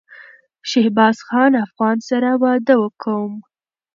شهبازخان افغان سره واده کوم